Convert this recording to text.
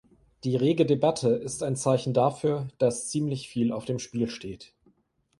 Die rege Debatte ist ein Zeichen dafür, dass ziemlich viel auf dem Spiel steht.